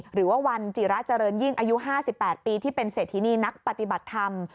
หรือว่าวันจิระเจริญยิ่งอายุ๕๘ปีที่เป็นเศรษฐินีนักปฏิบัติธรรม